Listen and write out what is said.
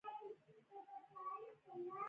او دا څرګنده نه شوه چې دا د وهابیانو هڅې دي.